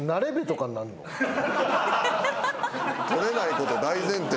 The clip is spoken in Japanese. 取れないこと大前提。